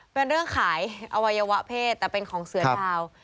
เป็นเรื่องขายอวัยวะเพศแต่เป็นของเสือดาว